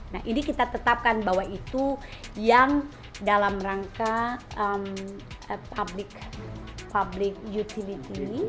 nah ini kita tetapkan bahwa itu yang dalam rangka public utility